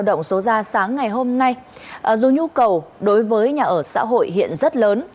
động số ra sáng ngày hôm nay dù nhu cầu đối với nhà ở xã hội hiện rất lớn